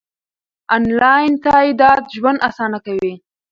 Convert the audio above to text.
انلاین تادیات ژوند اسانه کوي.